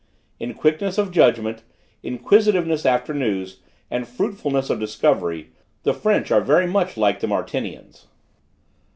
In quickness of judgment, inquisitiveness after news, and fruitfulness of discovery, the French are much like the Martinians.